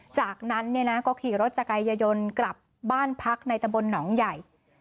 จากนั้นเนี่ยนะก็ขี่รถจักรยายนต์กลับบ้านพักในตะบลหนองใหญ่